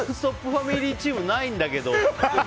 ファミリーチームないんだけど。